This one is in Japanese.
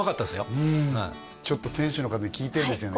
はいうんちょっと店主の方に聞いてるんですよね？